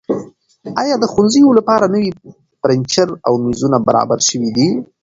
ایا د ښوونځیو لپاره نوي فرنیچر او میزونه برابر شوي دي؟